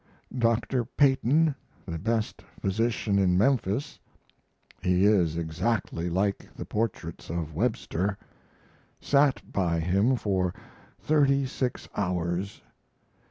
Dr. Peyton, the best physician in Memphis (he is exactly like the portraits of Webster), sat by him for 36 hours.